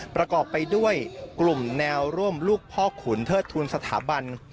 ประกอบไปด้วยกลุ่มแนวร่วมลูกพ่อขุนเทิดทูลสถาบัน